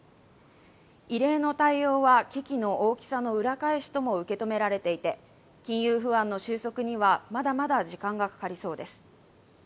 異例の対応は危機の大きさの裏返しとも受け止められていて、金融不安の収束にはまだまだ時間がかかりそうです。